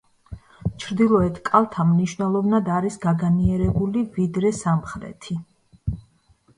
ჩრდილოეთ კალთა მნიშვნელოვნად არის გაგანიერებული ვიდრე სამხრეთი.